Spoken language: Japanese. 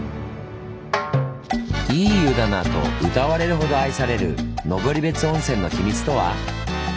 「いい湯だな」と歌われるほど愛される登別温泉の秘密とは？